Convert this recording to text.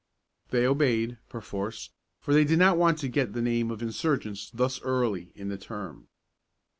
They obeyed, perforce, for they did not want to get the name of insurgents thus early in the term.